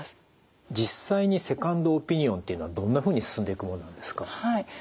実際にセカンドオピニオンというのはどんなふうに進んでいくもんなんですか？